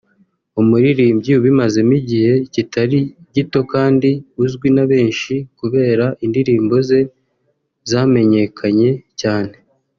umuririmbyi ubimazemo igihe kitari gito kandi uzwi na benshi kubera indirimbo ze zamenyekanye cyane